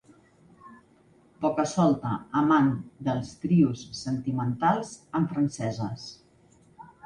Poca-solta amant dels trios sentimentals amb franceses.